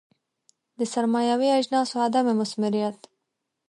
د سرمایوي اجناسو عدم مثمریت.